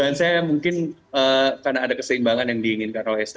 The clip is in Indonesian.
saya merasa dugaan saya mungkin karena ada keseimbangan yang diinginkan oleh mereka